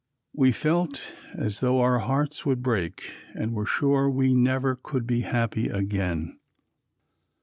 We felt as though our hearts would break and were sure we never could be happy again.